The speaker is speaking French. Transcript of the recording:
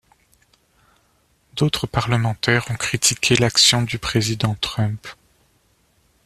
D'autres parlementaires ont critiqué l'action du président Trump.